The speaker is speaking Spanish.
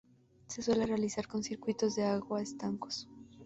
Se suele realizar con circuitos de agua estancos.